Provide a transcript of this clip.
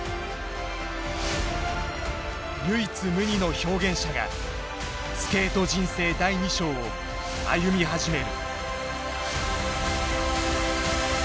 唯一無二の表現者がスケート人生第２章を歩み始める。